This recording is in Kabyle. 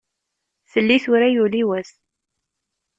Fell-i tura yuli wass.